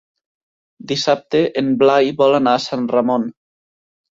Dissabte en Blai vol anar a Sant Ramon.